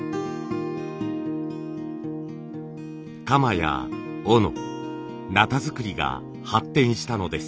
鎌や斧鉈作りが発展したのです。